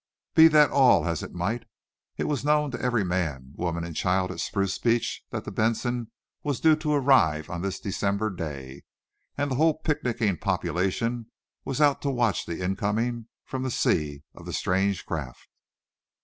Be that all as it might, it was known to every man, woman and child at Spruce Beach that the "Benson" was due to arrive on this December day and the whole picnicking population was out to watch the incoming from the sea of the strange craft.